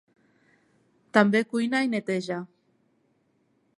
També cuina i neteja.